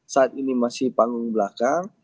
saat ini masih panggung belakang